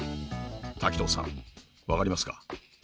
滝藤さん分かりますか？